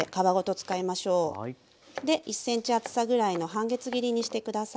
で１ｃｍ厚さぐらいの半月切りにして下さい。